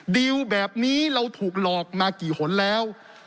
ดิวแบบนี้เราถูกหลอกมากี่หนแล้ว